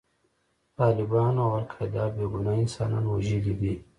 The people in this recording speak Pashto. طالبانو او القاعده بې ګناه انسانان وژلي دي.